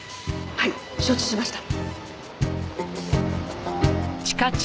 はい承知しました。